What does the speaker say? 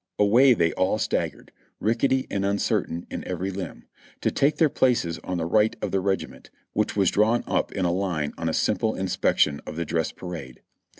Away they all staggered, rickety and uncertain in every limb, to take their places on the right of the regiment, which was drawn up in a line on a simple inspection of the dress parade.